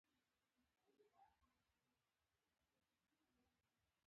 د هيلې خبرې لا پای ته نه وې رسېدلې